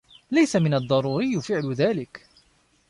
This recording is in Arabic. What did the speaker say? ليس من الضروري فعل ذلك.